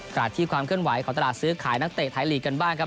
ขณะที่ความเคลื่อนไหวของตลาดซื้อขายนักเตะไทยลีกกันบ้างครับ